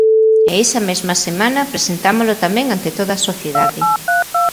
E esa mesma semana presentámolo tamén ante toda a sociedade.